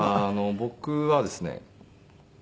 僕はですね